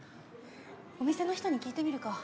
お店の人に聞いてみるか。